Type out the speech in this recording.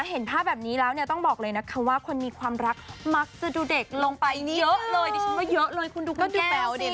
เห็นภาพแบบนี้แล้วเนี่ยต้องบอกเลยนะคะว่าคนมีความรักมักจะดูเด็กลงไปเยอะเลยดิฉันว่าเยอะเลยคุณดูก็ดูแบวดีนะ